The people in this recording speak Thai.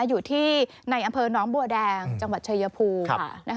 อยู่ที่ในอ้ำเพิอน้องบัวแดงจังหวัดเฉยภูรณ์